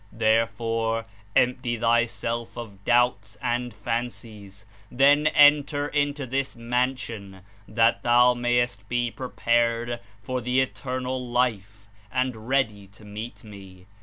There fore empty thyself of doubts and fancies; then enter into this Mansion that thou mayest be prepared for the Eternal Life and ready to meet Me.